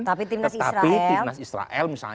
tetapi timnas israel